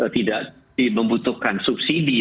tidak membutuhkan subsidi